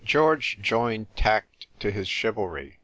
George joined tact to his chivalry.